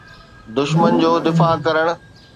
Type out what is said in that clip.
دشمن جو دفاع ڪرڻ.